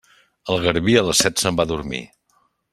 El garbí, a les set se'n va a dormir.